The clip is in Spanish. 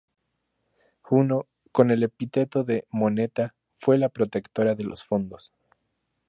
Juno, con el epíteto de "moneta", fue la protectora de los fondos.